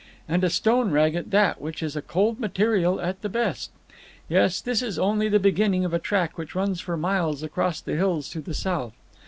And a stone rag at that, which is a cold material at the best. Yes, this is only the beginning of a track which runs for miles across the hills to the South.